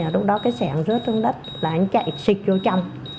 lúc đó cái sản rớt xuống đất là anh chạy xịt vô trong